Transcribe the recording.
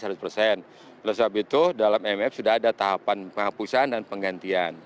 oleh sebab itu dalam imf sudah ada tahapan penghapusan dan penggantian